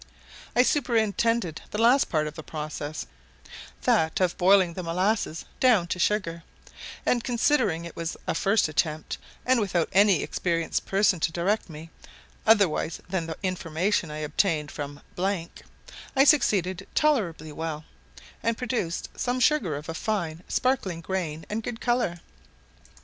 I superintended the last part of the process, that of boiling the molasses down to sugar; and, considering it was a first attempt, and without any experienced person to direct me, otherwise than the information I obtained from , I succeeded tolerably well, and produced some sugar of a fine sparkling grain and good colour.